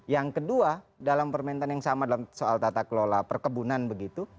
yang kedua dalam permentan yang sama dalam soal tata kelola perkebunan begitu